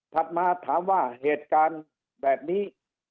มาถามว่าเหตุการณ์แบบนี้